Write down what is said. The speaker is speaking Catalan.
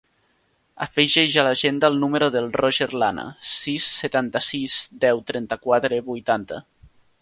Afegeix a l'agenda el número del Roger Lana: sis, setanta-sis, deu, trenta-quatre, vuitanta.